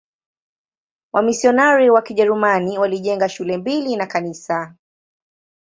Wamisionari wa Kijerumani walijenga shule mbili na kanisa.